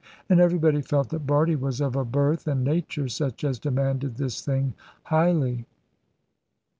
And everybody felt that Bardie was of a birth and nature such as demanded this thing highly.